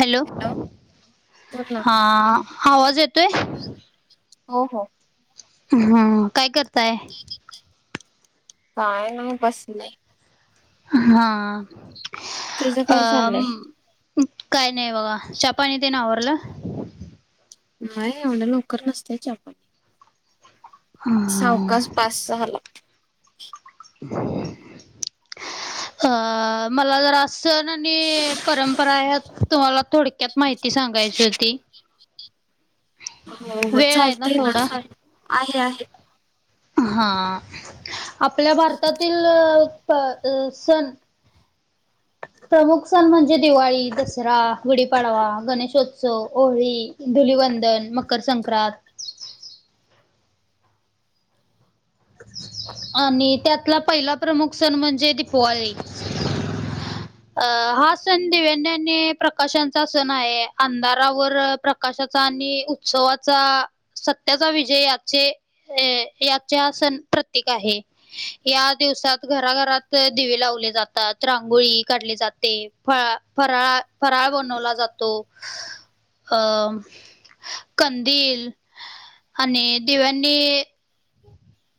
Hello, बोल ना. हा. आवाज येतोय? हो हो. हू अ, काय करताय? काय नाही बसलेय. हा तुझं काय अ चाललंय? काय नाही बघा, च्या पानी तेे न आवरलं. नाही, एवढं लवकर नसतय च्या पाणी, सावकास पाच सहाला. अ, मला जरा अस सण आणि परंपरा यात तुम्हाला थोडक्यात माहिती सांगायची होती. हो हो वेळ आहे चालतय ना, थोडा आहे आहे. हा आपल्या भारतातील ल अ सण [unintelligible] प्रमुख सण म्हणजे दिवाळी, दसरा, गुढीपाडवा गणेशोत्सव, होळी धुलीवंदन, मकर संक्रांत आणि त्यातला पहिला प्रमुख सण म्हणजे दिपवाळी. अ, हा सण दिव्यान्याने प्रकाशांचा सण आहे. अंधारावर प्र कशाचा आणि उत्सवाचा सत्याचा विजय, आजचे अ, याच्या सण प्रतीक आहे. या दिवसात घरा-घरात दिवे लावले जातात. रांगोळी काढली जाते. फ, फराळ -फराळ बनवला जातो. अं, कंदील आणि दिव्यांनी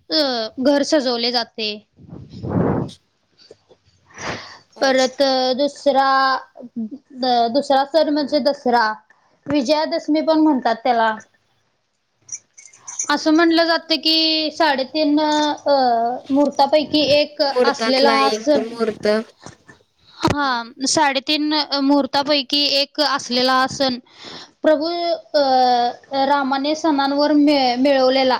अ, घर सजवले जाते. हो, परत दुसरा, दुसरा सण म्हणजे दसरा. विजयादशमी पण म्हणतात त्याला. असं म्हणलं जात की, साडेतीन अ, महूर्तापैकी एक असलेला मुहूर्तातला हा एक सण. मुहूर्त हा, साडेतीन मुहूर्तापैकी एक असलेला सण. प्रभू अ, रामाने सणांवर मिळवलेला.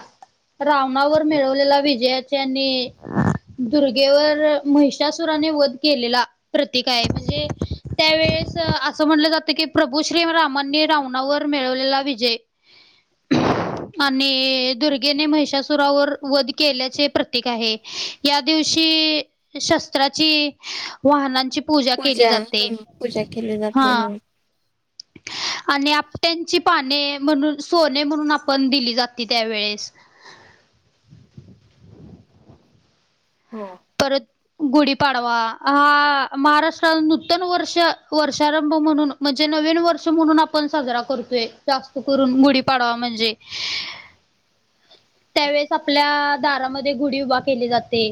रावणावर मिळवलेल्या विजयच्या आणि दुर्गेवर महिषासुराने वध केलेला. प्रतीक आहे. म्हणजे त्यावेेळेस असं म्हणलं जातं की प्रभू श्री रामाने रावणा वर मिळवलेला विजय. आणि दुर्गेने महिषासुरावर वध केल्याचे प्रतीक आहे. या दिवशी शस्त्राची वाहनांची पूजा केली जाते. हं, पूजा केली हा. जाते हो. आणि आपट्यांची पाने म्हणून सोने म्हणून आपण दिली जाते त्यावेेळेस. हो. परत गुढीपाडवा, हा महाराष्ट्रान नूतन वर्ष वर्षारंभ म्हणून म्हणजे नवीन वर्ष म्हणून आपण साजरा करतोय, जास्त करून गुढीपाडवा म्हणजे त्यावेळेस आपल्या दारामध्ये गुढी उभा केली जाते.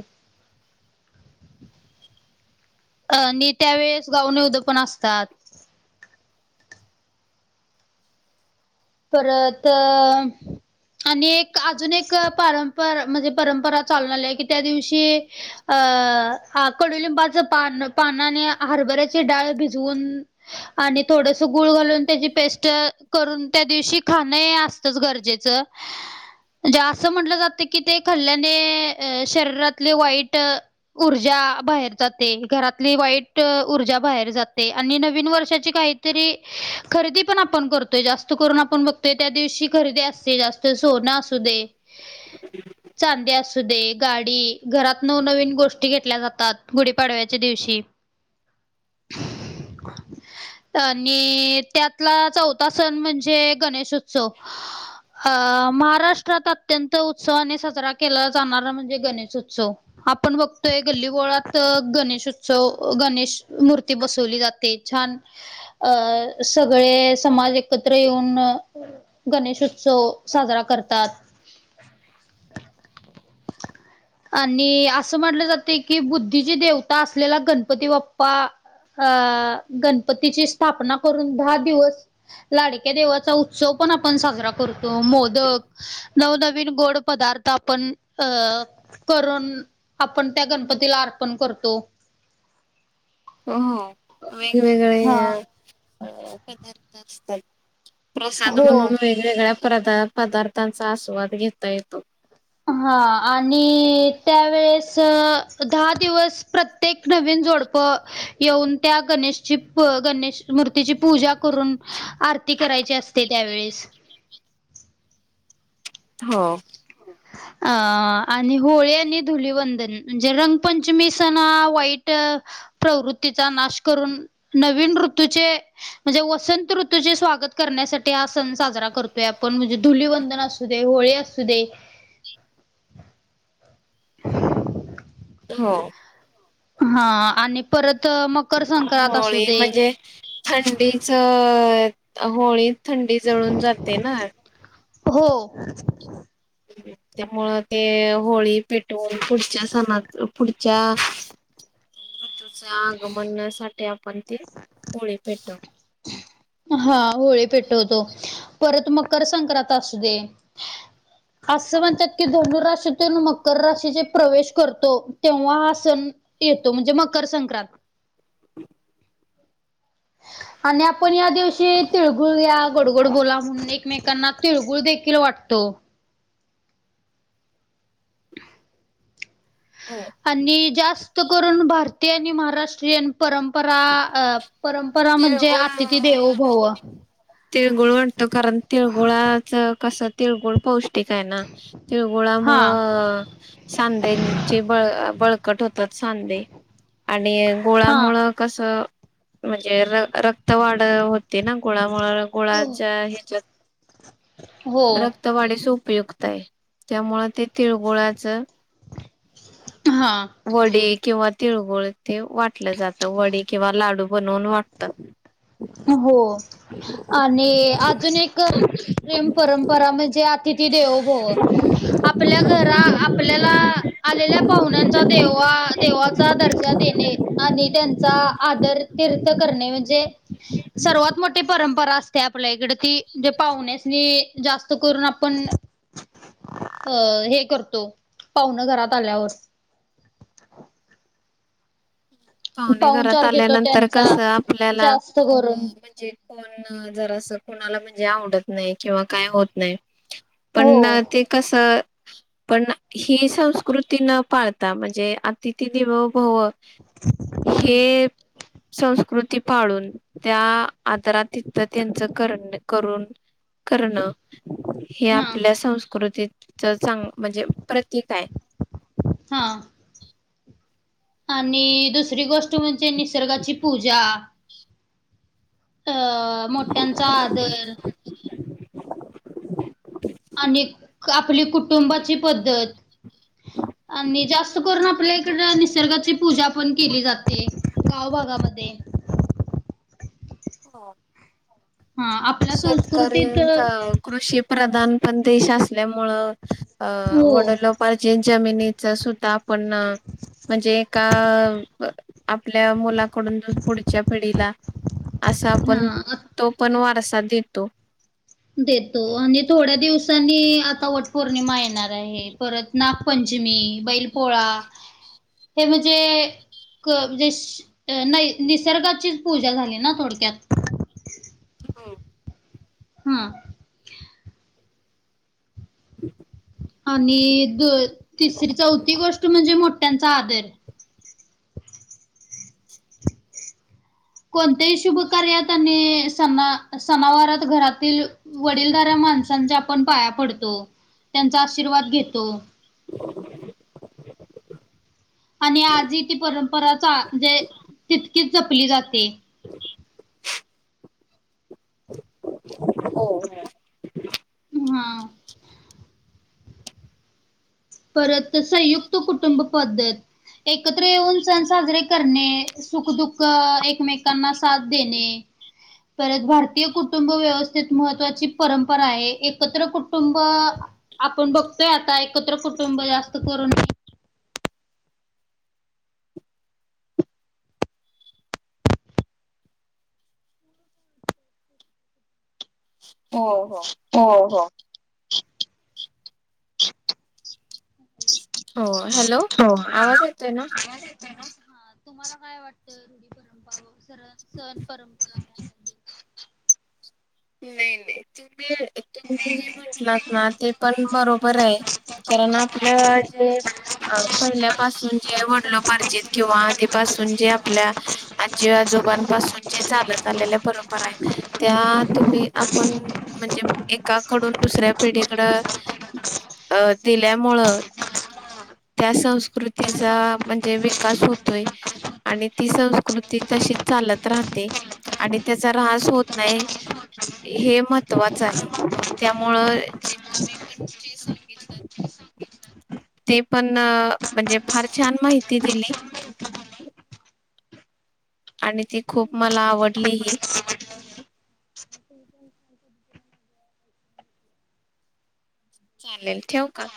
अ, आणि त्यावेेळेस गाव निउदं पण असतात. परत आणि एक अजून एक पारंपर म्हणजे परंपरा चालून आली हाय की त्या दिवशी अ, कडुलिंबाच पान, पान आणि हरभऱ्याची डाळ भिजवून आणि थोडस गुळ घालून त्याची पेस्ट करून. त्या दिवशी खाणं हे असतच गरजेचं. जे असं म्हटलं जातं की ते खाल्ल्याने शरीरातले वाईट ऊर्जा बाहेर जाते. घरातली वाईट ऊर्जा बाहेर जाते आणि नवीन वर्षाची काही तरी खरेदी पण आपण करतोय जास्त करून आपण बघतोय त्या दिवशी खरेदी असते जास्त सोनं असू दे. [unintelligible] चांदी असू दे. गाडी घरात नवनवीन गोष्टी घेतल्या जातात गुढीपाडव्याच्या दिवशी. [inaudible] आणि त्यातला चौथा सण म्हणजे गणेशोत्सव. अ, महाराष्ट्रात अत्यंत उत्सवाने साजरा केला जाणारा म्हणजे गणेशोत्सव. आपण बघतोय गल्लीबोळात गणेश उत्सव गणेश मूर्ती बसवली जाते. छान अ सगळे समाज एकत्र त्र येऊन गणेश उत्सव साजरा करतात. [inaudible] आणि अस म्हटल जाते की बुद्धीची देवता असलेला गणपती बाप्पा. अ गणपतीची स्थापना करून दहा दिवस लाडक्या देवाचा, उत्सव पण आपण साजरा करतो. मोदक नवनवीन गोड पदार्थ, आपण अ करून, आपण त्या गणपतीला अर्पण करतो. हो, हा वेगवेगळे पदार्थ करत असतात. प्रसाद हो म्हणून वेगवेगळ्या प्रदा-पदार्थांचा, आस्वाद घेता येतो. हा आणि त्यावेेळेस, दहा दिवस प्रत्य ते एक नवीन जोडपं येऊन, त्या गणेशची प गणेश मूर्तीची पूजा करून, आरती करायची असते त्यावेळेस. हो. [inaudible] अं आणि होळी आणि धुलीवंदन म्हणजे रंगपंचमी सण हा वाईट प्रवृत्तीचा, नाश करून नवीन ऋतूचे म्हणजे वसंत ऋतूचे स्वागत करण्यासाठी, हा सण साजरा करतोय आपण. म्हणजे धुलीवंदन असू असू दे, होळी असू दे. [inaudible] हो. हा आणि परत मकर संक्रांत असू होळी दे म्हणजे थंडीच, होळीत थंडी जळून जाते ना. हो. त्यामुळ ते होळी पेटवून, पुढच्या सणात पुढच्या [inaudible] ऋतूचे आगमनासाठी, आपण ती होळी पेटवतो. हा, होळी पेटवतो. परत मकर संक्रांत असू दे असं म्हणतात की, धनु राशीतून मकर राशीत प्रवेश करतो. तेव्हा हा सण येतो म्हणजे मकर संक्रांत. [inaudible] आणि आपण या दिवशी, तिळगुळ घ्या गोडगोड बोला म्हणून, एकमेकांना तिळगुळ देखील वाटतो. होय. आणि जास्त करून, भारतीय आणि महाराष्ट्रीयन परंपरा परं परा म्हणजे तिळगुळ आतिथी देवो भव. तिळगुळ वाटतो, कारण तिळगुळाच कस तिळगुळ पोष् ष्टीक आहे ना, हा तिळगुळामुळ सांधेंची बळ-बळकट होतात सांधे आणि हा गुळामुळ कसं? म्हणजे रक्त वाढ होते ना गुळामुळ. हो गुळाच्या ह्याच्यात हो. रक्तवाढीस उपयुक्त आहे. त्यामुळ ते तिळगुळाच हां. वडी किंवा तिळगुळ तेे वाटलं जातं वडी किंवा लाडू बनवून वाटतात. हो, [inaudible] आणि अजून एक परमप्रिय परंपरा म्हणजे 'अतिथी देवो भव. आपल्या घरा आपल्याला आलेल्या पाहुण्यांचा देवा देवा. चा दर्जा देणे आणि त्यांचा आदरातीथ्य करणे म्हणजे. सर्वात मोठी. परंपरा असते आपल्या इकडं ती म्हणजे पाहूण्यास जास्त करून आपण. अ हे करतो पाहुण घरात आल्यावर. पाहुणे घरात पाहुणचार घेतो आल्यानंतर त्यांचा कसं आपल्याला. जास्त करून कोण जरा असं कोणाला म्हणजे आवडत नाही किंवा काय होत नाही. हो पण ते कसं. पण ही संस्कृती न पाळता म्हणजे अतिथी देवभव. ह [inaudible] हे, संस्कृती पाळून त्या आदारात तिथं त्यांचं करण करून. करणं हे हा आपल्या संस्कृतीच चांग म्हणजे प्रतीक आहे. हा, आणि दुसरी गोष्ट म्हणजे निसर्गाची पूजा. अ मोठ्यांचा आदर. आणि क आपली कुटुंबाची पद्धत. आणि जास्त करून आपल्या इकड निसर्गाची पूजा पण केली जाते गावभगामध्ये. हो, हा आप''--'' शेतकऱ्यांचा. कृषी प्रधान पण देश असल्यामुळं अ हो वडलोप. पजे जमिनीच सुद्धा आपण. म्हणजे एका आपल्या मुलाकडून पुढच्या पिढीला. असा आपण हा तो पण वारसा देतो. देतो आणि थोड्या दिवसांनी आता वट पौर्णिमा येणार आहे. परत नागपंचमी बैल पोळा हे म्हणजे. क म्हणजे श अ नाही निसर्गाची पूजा झाली ना थोडक्यात. हो, हम, आणि द तिसरी चौथी गोष्ट म्हणजे मोठ्यांचा आदर. कोणत्याही शुभ कार्यात आणि सना सनावारात घरातील. वडीलधऱ्या माणसांचा आपण पाया पडतो त्यांचा आशीर्वाद घेतो. आणि आजी ती परंपराचा म्हणजे तितकीच जपली जाते. हो हा, हा, परत संयुक्त कुटुंब पद्धत एकत्र येऊन सण साजरे करणे. सुखदुःख एकमेकांना साथ देणे. परत भारतीय कुटुंब व्यवस्थेत महत्त्वाची परंपरा आहे एकत्र कुटुंब. आपण बघतोय आता एकत्र कुटुंब जास्त करून. हो हो, हो हो. हो, हॅलो? हो. आवाज येतय ना? हा तुम्हाला काय वाटतं? रूढी परंपरा सर सण परंपरा [unintelligible] नही नही तें तुम्ही जे म्हटलात ना, ते पण बरोबर ये, कारण आपल्या जे अड पहिल्यापासून जे, वडलो पार्जित किंवा आधीपासून जे आपल्या आजी आजोबांपासून जे चालत आलेल्या परंपरा येत, त्या तुम्ही, आपण म्हणजे एकाकडून दुसऱ्या पिढीकड अ दिल्यामुळं त्या संस्कृतीचा, म्हणजे विकास होतोय. आणि ती संस्कृती तशीच चालत राहते आणि त्याचा रास होत नाही. हे महत्वाच आहे, त्यामुळ जे तुम्ही पण जे [unintelligible] ते पण म्हणजे फार छान माहिती दिली. आणि ती खूप मला आवडली, ही. चालेल, ठेऊ का?